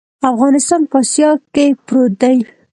افغانستان په اسیا کې پروت دی.